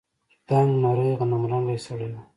دنګ نرى غنمرنگى سړى و.